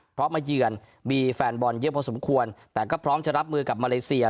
เพราะมาเยือนมีแฟนบอลเยอะพอสมควรแต่ก็พร้อมจะรับมือกับมาเลเซีย